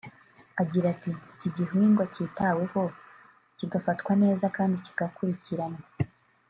Agira ati “Iki gihingwa cyitaweho kigafatwa neza kandi kigakurikiranwa